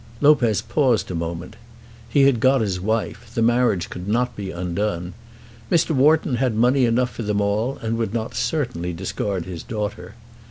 Lopez paused a moment. He had got his wife. The marriage could not be undone. Mr. Wharton had money enough for them all, and would not certainly discard his daughter.